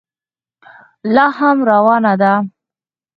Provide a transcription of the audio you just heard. لا هم روانه ده.